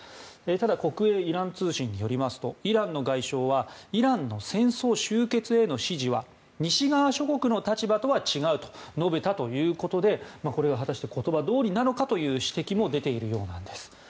ただ国営イラン通信によりますとイランの外相はイランの戦争終結への支持は西側諸国の立場とは違うと述べたということでこれが果たして言葉どおりなのかという指摘も出ているようなんです。